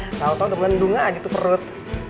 gak tau gak tau udah melendung aja tuh perut